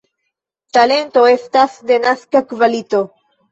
Talento estas denaska kvalito.